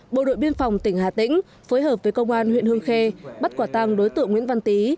bộ đội biên phòng tỉnh hà tĩnh phối hợp với công an huyện hương khê bắt quả tăng đối tượng nguyễn văn tý